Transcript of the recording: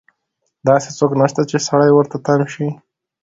داسې څه نشته چې سړی ورته تم شي.